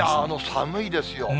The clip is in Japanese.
寒いですよ。